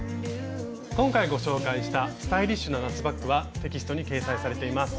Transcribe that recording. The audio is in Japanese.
今回ご紹介したスタイリッシュな夏バッグはテキストに掲載されています。